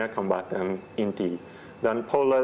kembatan inti dan pola